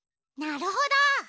なるほど！